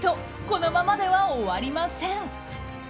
このままでは終わりません。